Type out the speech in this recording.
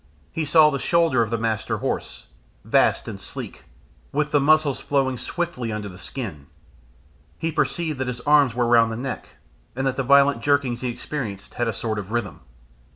He saw the shoulder of the Master Horse, vast and sleek, with the muscles flowing swiftly under the skin. He perceived that his arms were round the neck, and that the violent jerkings he experienced had a sort of rhythm.